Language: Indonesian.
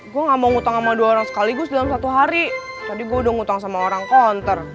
gue gak mau ngutang sama dua orang sekaligus dalam satu hari tadi gue dong ngutang sama orang counter